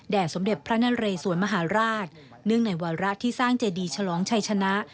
สมเด็จพระนเรสวนมหาราชเนื่องในวาระที่สร้างเจดีฉลองชัยชนะ